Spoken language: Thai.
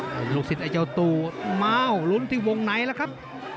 หลุกศิษฐ์ไอ้เจ้าตู่ม้าวลุ้นที่วงไหนแล้วครับ